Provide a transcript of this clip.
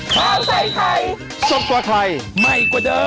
ใช่ใช่